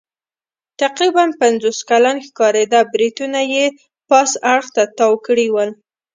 تقریباً پنځوس کلن ښکارېده، برېتونه یې پاس اړخ ته تاو کړي ول.